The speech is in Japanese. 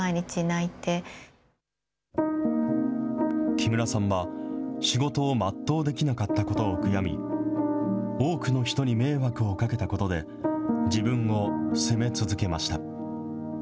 木村さんは、仕事を全うできなかったことを悔み、多くの人に迷惑をかけたことで、自分を責め続けました。